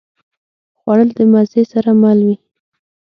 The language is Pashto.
خوړل د مزې سره مل وي